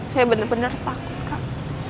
saya bener bener takut kak